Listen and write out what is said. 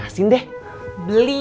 ada ikan sepat asin